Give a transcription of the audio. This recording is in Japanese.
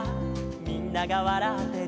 「みんながわらってる」